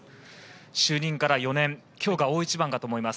就任から４年今日が大一番だと思います。